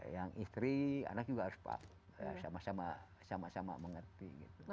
yang istri anak juga harus sama sama mengerti